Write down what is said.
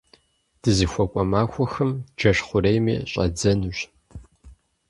Дызыхуэкӏуэ махуэхэм джэш хъурейми щӏадзэнущ.